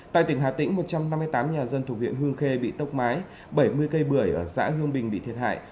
tại tỉnh hà tĩnh một trăm năm mươi tám nhà dân thuộc huyện hương khê bị tốc mái bảy mươi cây bưởi ở xã hương bình bị thiệt hại